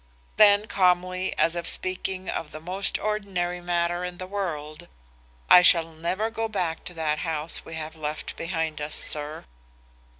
Then calmly, as if speaking of the most ordinary matter in the world, 'I shall never go back to that house we have left behind us, sir.